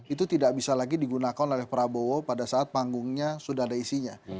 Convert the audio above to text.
itu tidak bisa lagi digunakan oleh prabowo pada saat panggung kosong